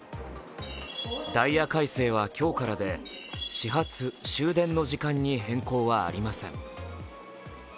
ダイヤ改正は今日からで、始発・終電の時間に変更はありません。